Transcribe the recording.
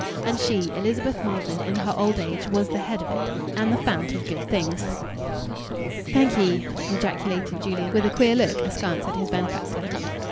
And she, Elizabeth Maldon, in her old age, was the head of it, and the fount of good things. "Thank ye!" ejaculated Julian, with a queer look askance at his benefactor.